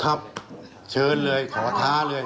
ครับเชิญเลยขอท้าเลย